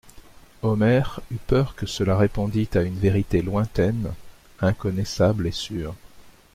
Omer eut peur que cela répondît à une vérité lointaine, inconnaissable et sûre.